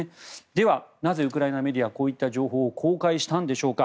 では、なぜウクライナメディアはこういった情報を公開したんでしょうか。